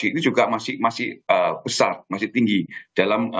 itu juga masih besar masih tinggi dalam